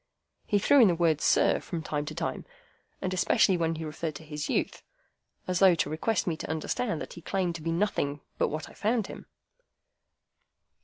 He threw in the word, "Sir," from time to time, and especially when he referred to his youth,—as though to request me to understand that he claimed to be nothing but what I found him.